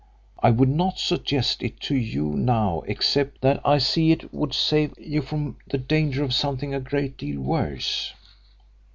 I would not suggest it to you now except that I see it would save you from the danger of something a great deal worse.